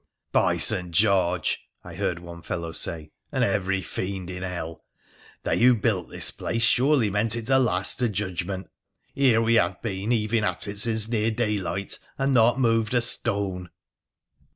' By St. George,' I heard one fellow say, ' and every fiend in hell ! they who built this place surely meant it to last to Judgment ! Here we have been heaving at it since near day light and not moved a stone.'